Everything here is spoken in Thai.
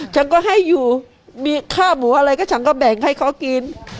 ฉันก็ให้อยู่มีค่าหมูอะไรก็ฉันก็แบ่งให้เขากิน